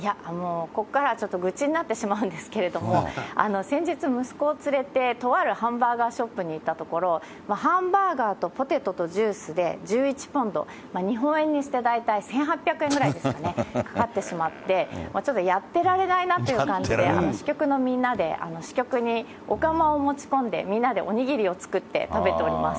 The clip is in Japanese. れども、先日、息子を連れて、とあるハンバーガーショップに行ったところ、ハンバーガーとポテトとジュースで、１１ポンド、日本円にして大体１８００円ぐらいですかね、かかってしまって、ちょっとやってられないなって感じで、支局のみんなで、支局にお釜を持ち込んで、みんなでお握りを作って食べております。